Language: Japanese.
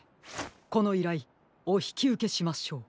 このいらいおひきうけしましょう。